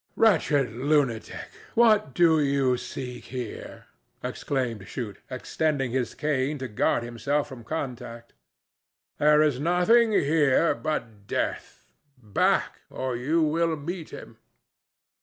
"Wretched lunatic, what do you seek here?" exclaimed Shute, extending his cane to guard himself from contact. "There is nothing here but Death; back, or you will meet him."